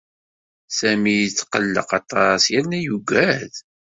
Sami yetqellaq aṭas yerna yugad.